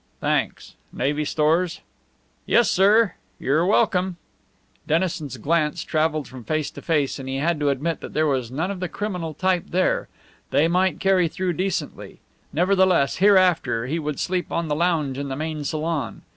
"Thanks. Navy stores?" "Yes, sir. You're welcome." Dennison's glance travelled from face to face, and he had to admit that there was none of the criminal type here. They might carry through decently. Nevertheless, hereafter he would sleep on the lounge in the main salon.